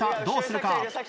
どうするか？